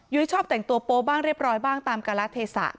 ยุ้ยชอบแต่งตัวโป้บ้างเรียบร้อยบ้างตามคำสั่งอยากหวัง